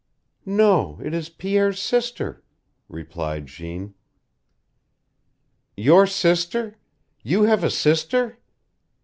"No, it is Pierre's sister," replied Jeanne. "Your sister! You have a sister?"